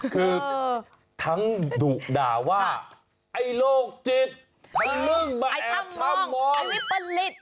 คือทั้งถูกด่าว่าไอโลกจิตลึงเนื้อไอท่ามอง